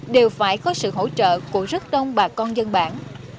đều phải có sự hỗ trợ của rất đông bà con dân bản